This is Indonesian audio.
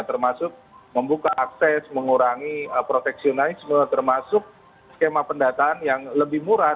termasuk membuka akses mengurangi proteksionalisme termasuk skema pendataan yang lebih murah